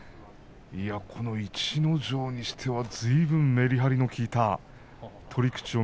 逸ノ城にしては、ずいぶんとメリハリの効いた取り口を